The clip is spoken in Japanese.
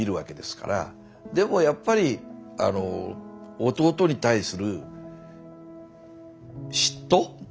でもやっぱり弟に対する嫉妬？